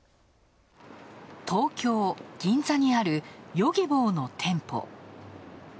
東京・銀座にあるヨギボーの店舗。